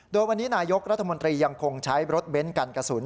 โดยวันนี้นายกรัฐมนตรียังคงใช้รถเบ้นกันกระสุน